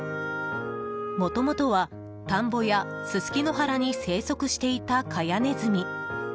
もともとは田んぼやススキ野原に生息していたカヤネズミ。